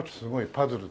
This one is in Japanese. パズルで。